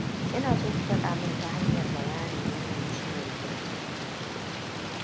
Ina so ku fada min ta hanyar bayyanin wannan ciwon kirji